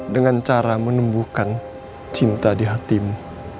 dengan cara menumbuhkan cinta di hatimu